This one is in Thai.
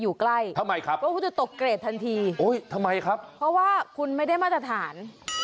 อย่างนี้คุณตัวคุณไม่ได้มาตรฐาน